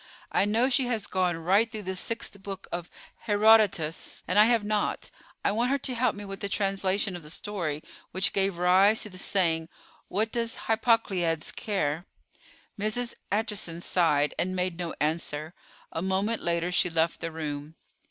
I know she has gone right through the sixth book of Herodotus, and I have not. I want her to help me with the translation of the story which gave rise to the saying 'What does Hippocleides care?'" Mrs. Acheson sighed, and made no answer: a moment later she left the room.